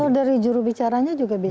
kalau dari jurubicaranya juga bisa